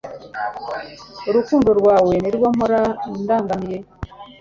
urukundo rwawe ni rwo mpora ndangamiye